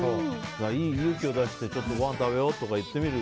勇気を出してちょっとごはん食べようとか言ってみる。